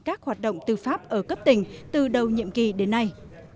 các hoạt động tư pháp ở cấp tỉnh từ đầu nhiệm kỳ đến nay